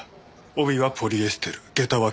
帯はポリエステル下駄は桐。